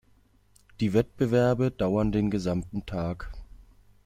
Die Wettbewerbe dauern den gesamten Tag.